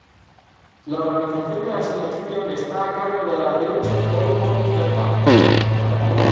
La organización de la selección está a cargo de la Deutscher Volleyball-Verband.